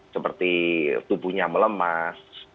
seperti tubuhnya melemas